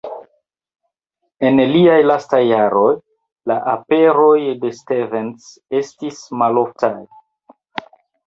En liaj lastaj jaroj, la aperoj de Stevens estis maloftaj.